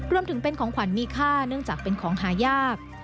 รวมถึงเป็นของขวัญมีค่าเนื่องจากเป็นของหายาก